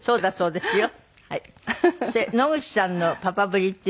そうですね。